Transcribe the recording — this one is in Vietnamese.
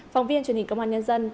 phóng viên truyền hình công an nhân dân